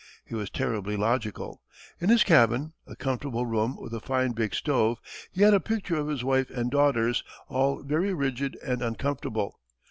He was terribly logical. In his cabin a comfortable room with a fine big stove he had a picture of his wife and daughters, all very rigid and uncomfortable.